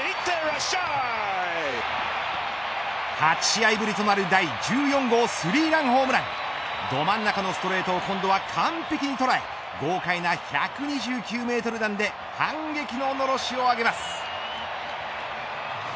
８試合ぶりとなる第１４号、スリーランホームランど真ん中のストレートを今度は完璧に捉え豪快な１２９メートル弾で反撃ののろしを上げます。